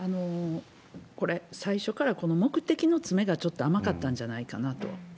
これ、最初からこの目的の詰めがちょっと甘かったんじゃないかなと。